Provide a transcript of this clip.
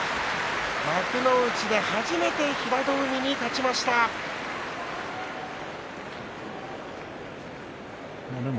幕内で初めて平戸海に勝ちました王鵬です。